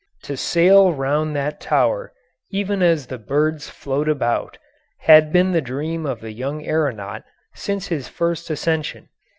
To sail round that tower even as the birds float about had been the dream of the young aeronaut since his first ascension.